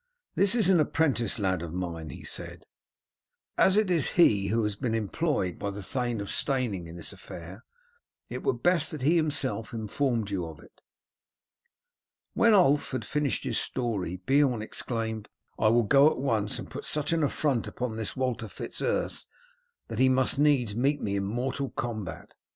"This is an apprentice lad of mine," he said, "and as it is he who has been employed by the Thane of Steyning in this affair, it were best that he himself informed you of it." When Ulf had finished his story Beorn exclaimed, "I will go at once, and will put such an affront upon this Walter Fitz Urse that he must needs meet me in mortal combat."